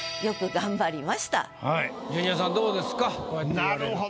なるほど。